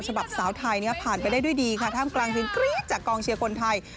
สาวไทยผ่านไปได้ด้วยดีค่ะท่ามกลางเสียงกรี๊ดจากกองเชียร์คนไทย